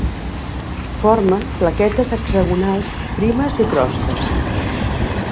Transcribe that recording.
Forma plaquetes hexagonals primes i crostes.